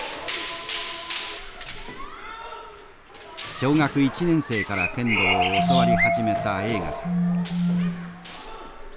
小学１年生から剣道を教わり始めた栄花さん。